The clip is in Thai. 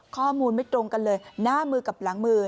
ข้อมูลไม่ตรงกันเลยหน้ามือกับหลังมือ